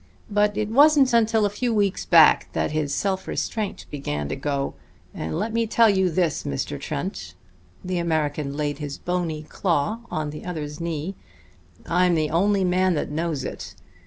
But it wasn't until a few weeks back that his self restraint began to go; and let me tell you this, Mr. Trent" the American laid his bony claw on the other's knee "I'm the only man that knows it.